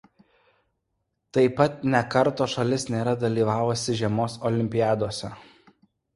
Taip pat nė karto šalis nėra dalyvavusi žiemos olimpiadose.